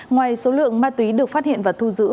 ngoài số lượng ma túy được phát hiện và thu giữ